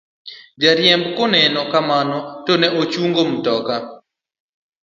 jariembo kanoneno kamano to ne ochungo mtoka